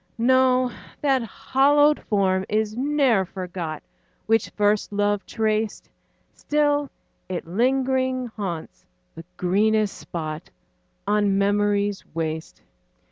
No, that hallowed form is ne'er forgot Which first love traced; Still it lingering haunts the greenest spot On memory's waste.